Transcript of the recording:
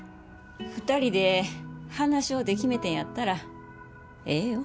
２人で話し合うて決めてんやったらええよ。